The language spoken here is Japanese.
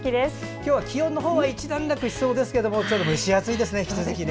今日は気温の方は一段落しそうですけど蒸し暑いですね、引き続き。